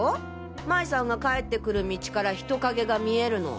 麻衣さんが帰って来る道から人影が見えるの。